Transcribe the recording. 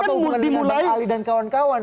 apa hubungannya dengan bang ali dan kawan kawan